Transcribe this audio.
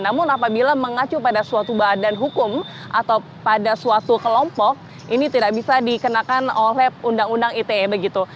namun apabila mengacu pada suatu badan hukum atau pada suatu kelompok ini tidak bisa dikenakan oleh undang undang ite begitu